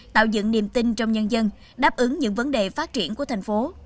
tạo dựng niềm tin trong nhân dân đáp ứng những vấn đề phát triển của thành phố